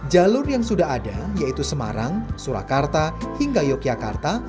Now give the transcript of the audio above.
jalur yang sudah ada yaitu semarang surakarta hingga yogyakarta